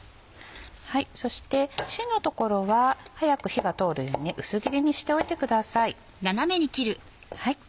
そして芯の所は早く火が通るように薄切りにしておいてください。